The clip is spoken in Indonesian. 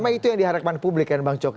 namanya itu yang diharapkan publik kan banyak